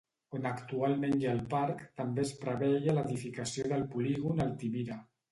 On actualment hi ha el parc també es preveia l'edificació del polígon Altimira.